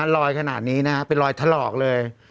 ขนาดนี้นะครับเป็นรอยถลอกเลย